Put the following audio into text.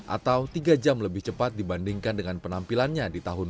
atau tiga jam lebih cepat dibandingkan dengan penampilannya di tahun dua ribu dua puluh